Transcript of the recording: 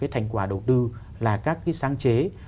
thành quả đầu tư là các sáng chế